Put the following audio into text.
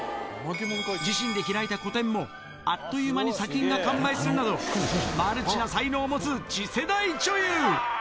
自身で開いた個展も、あっという間に作品が完売するなど、マルチな才能を持つ次世代女優。